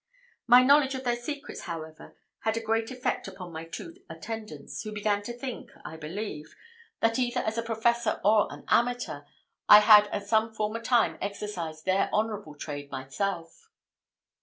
My knowledge of their secrets, however, had a great effect upon my two attendants, who began to think, I believe, that either as a professor or an amateur I had at some former time exercised their honourable trade myself.